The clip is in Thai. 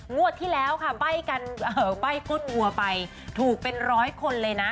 งวดที่แล้วค่ะใบ้กันใบ้ก้นวัวไปถูกเป็นร้อยคนเลยนะ